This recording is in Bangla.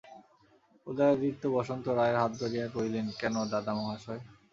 উদয়াদিত্য বসন্ত রায়ের হাত ধরিয়া কহিলেন, কেন, দাদামহাশয়?